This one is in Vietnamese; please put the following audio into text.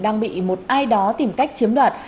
đang bị một ai đó tìm cách chiếm đoạt